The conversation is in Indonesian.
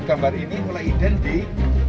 gambar ini mulai identik